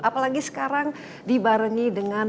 apalagi sekarang dibarengi dengan